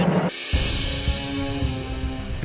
iya apa sih